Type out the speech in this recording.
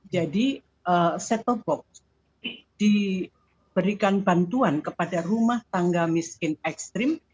jadi set top box diberikan bantuan kepada rumah tangga miskin ekstrim